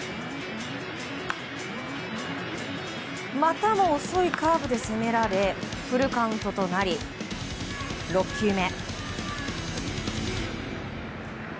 またも遅いカーブで攻められフルカウントとなり６球目。